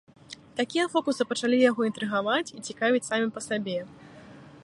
Такія фокусы пачалі яго інтрыгаваць і цікавіць самі па сабе.